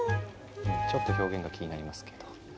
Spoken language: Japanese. ちょっと表現が気になりますけど。